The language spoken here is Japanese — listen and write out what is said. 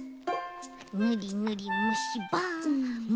ぬりぬりむしばむしば。